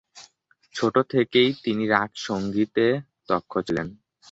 ছোট থেকেই তিনি রাগ সংগীতে দক্ষ ছিলেন।